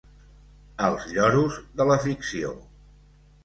Els lloros de la ficció.